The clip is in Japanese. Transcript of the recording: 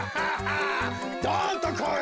どんとこい。